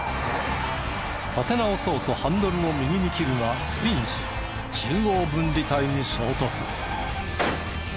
立て直そうとハンドルを右に切るがスピンし中央分離帯に衝突。